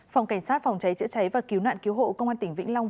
phòng cảnh sát phòng cháy chữa cháy và cứu nạn cứu hộ công an tỉnh vĩnh long